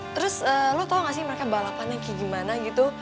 terus lo tau gak sih mereka balapannya kayak gimana gitu